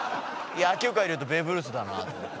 野球界でいうとベーブ・ルースだなと思って。